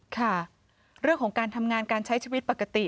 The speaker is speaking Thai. ค่ะเรื่องของการทำงานการใช้ชีวิตปกติ